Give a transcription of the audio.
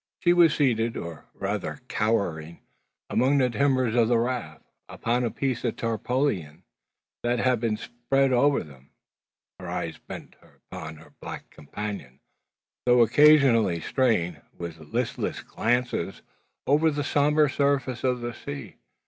She was seated, or rather cowering, among the timbers of the raft, upon a piece of tarpauling that had been spread over them, her eyes bent upon her black companion, though occasionally straying, with listless glance, over the sombre surface of the sea.